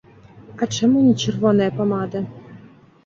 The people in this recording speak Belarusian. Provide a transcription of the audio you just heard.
А чаму не чырвоная памада?